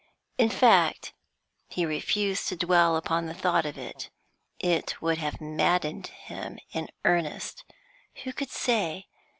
In fact, he refused to dwell upon the thought of it; it would have maddened him in earnest. Who could say?